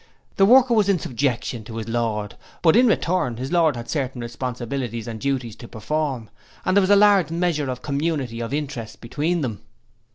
The worker was in subjection to his Lord, but in return his lord had certain responsibilities and duties to perform, and there was a large measure of community of interest between them.